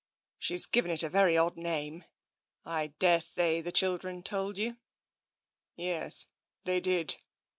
" She's given it a very odd name. I daresay the children told you." " Yes. They did.''